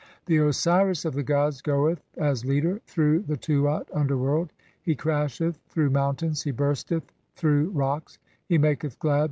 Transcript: The Osiris of the gods goeth as leader through the Tuat (underworld), he crasheth through mountains, he bursteth through rocks, he maketh glad